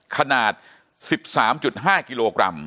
ขนาด๑๓๕กิโลกรัม